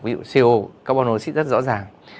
ví dụ co carbon monoxid rất rõ ràng